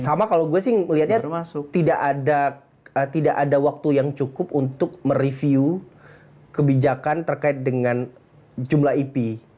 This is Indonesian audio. sama kalau gue sih melihatnya tidak ada waktu yang cukup untuk mereview kebijakan terkait dengan jumlah ip